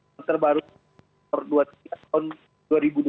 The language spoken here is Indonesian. pasal dua baru di masam b